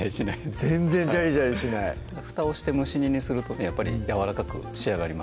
全然ジャリジャリしないふたをして蒸し煮にするとねやっぱりやわらかく仕上がります